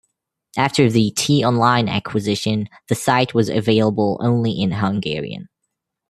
After the T-Online acquisition, the site was available only in Hungarian.